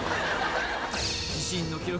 自身の記録